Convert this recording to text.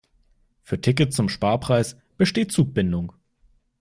Für Tickets zum Sparpreis besteht Zugbindung.